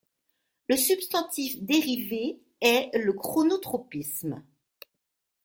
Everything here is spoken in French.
Le substantif dérivé est le chronotropisme.